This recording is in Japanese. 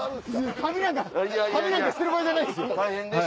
旅なんかしてる場合じゃないです。